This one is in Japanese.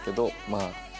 まあ